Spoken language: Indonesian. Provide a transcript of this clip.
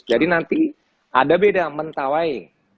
nanti ada beda mentawai